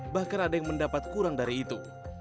bahkan ada yang mendapat kurang dari itu